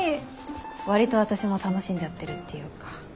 割と私も楽しんじゃってるっていうか。